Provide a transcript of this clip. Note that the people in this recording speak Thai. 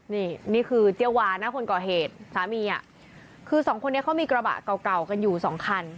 นี่นี่คือเจ๊วานะคนก่อเหตุสามีอ่ะคือสองคนนี้เขามีกระบะเก่ากันอยู่สองคัน